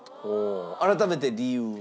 改めて理由は？